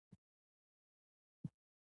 د مړي جسد یې ژر ښخ کړ.